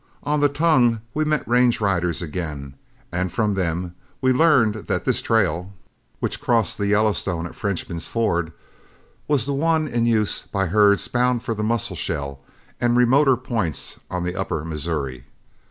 On the Tongue we met range riders again, and from them we learned that this trail, which crossed the Yellowstone at Frenchman's Ford, was the one in use by herds bound for the Musselshell and remoter points on the upper Missouri.